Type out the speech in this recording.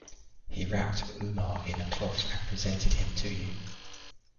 He wrapped Umar in a cloth and presented him to you.